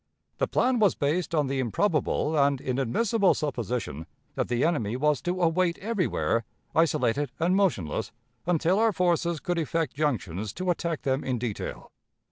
The plan was based on the improbable and inadmissible supposition that the enemy was to await everywhere, isolated and motionless, until our forces could effect junctions to attack them in detail.